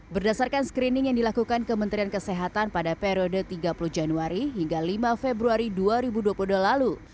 berdasarkan screening yang dilakukan kementerian kesehatan pada periode tiga puluh januari hingga lima februari dua ribu dua puluh dua lalu